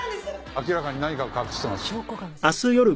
「明らかに何かを隠してます」